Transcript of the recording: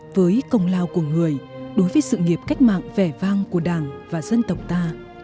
với công lao của người đối với sự nghiệp cách mạng vẻ vang của đảng và dân tộc ta